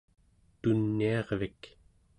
tuniarvik